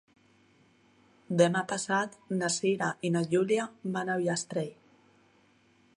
Demà passat na Cira i na Júlia van a Ullastrell.